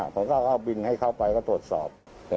ผมก็บินให้เข้าไปก็ตรวจสอบ